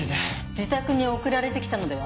自宅に送られて来たのでは？